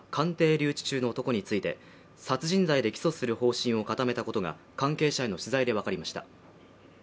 留置中の男について殺人罪で起訴する方針を固めたことが関係者への取材で分かりました